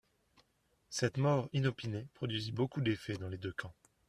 Cette mort inopinée produisit beaucoup d'effet dans les deux camps.